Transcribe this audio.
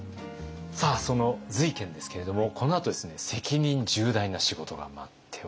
その瑞賢ですけれどもこのあとですね責任重大な仕事が待っております。